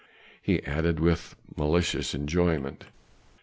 he added with malicious enjoyment.